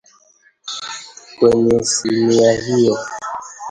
Kwenye sinia hiyo